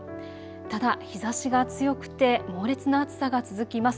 ただ日ざしが強くて猛烈な暑さが続きます。